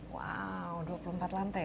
wow dua puluh empat lantai